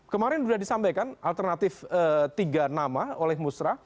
kemarin sudah disampaikan alternatif tiga nama oleh musrah